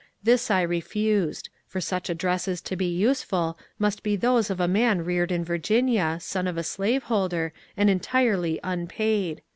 This I refused; for such addresses to be useful must be ihoseof a man reared in Virginia, son of a slaveholder, and entirely unpaid.